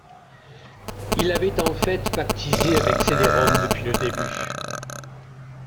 Il avait en fait pactisé avec Ceiderom dès le début.